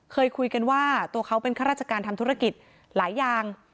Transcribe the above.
เคยคุยกันว่าตัวเขาเป็นข้าราชการทำธุรกิจหลายอย่าง